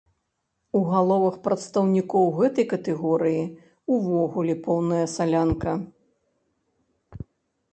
У галовах прадстаўнікоў гэтай катэгорыі ўвогуле поўная салянка.